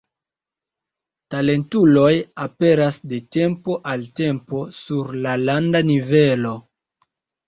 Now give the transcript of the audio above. Talentuloj aperas de tempo al tempo sur landa nivelo.